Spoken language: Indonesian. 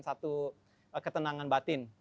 satu ketenangan batin